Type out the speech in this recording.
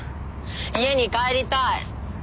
家に帰りたい！